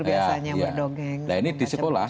biasanya berdongeng nah ini di sekolah